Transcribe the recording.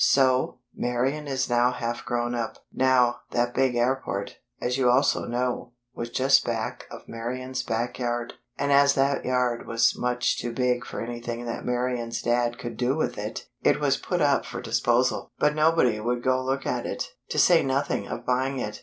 So, Marian is now half grown up. Now that big airport, as you also know, was just back of Marian's back yard; and as that yard was much too big for anything that Marian's Dad could do with it, it was put up for disposal. But nobody would go to look at it; to say nothing of buying it.